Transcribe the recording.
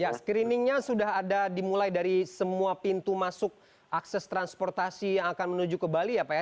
ya screeningnya sudah ada dimulai dari semua pintu masuk akses transportasi yang akan menuju ke bali ya pak ya